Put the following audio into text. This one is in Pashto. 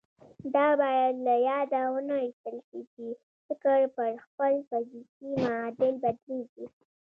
دا بايد له ياده ونه ايستل شي چې فکر پر خپل فزيکي معادل بدلېږي.